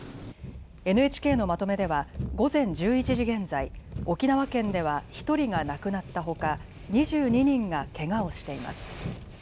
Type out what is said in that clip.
ＮＨＫのまとめでは午前１１時現在、沖縄県では１人が亡くなったほか、２２人がけがをしています。